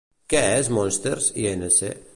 Què és Monsters, Inc.?